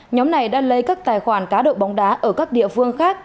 nhóm này đã lấy các tài khoản cá độ bóng đá ở các địa phương khác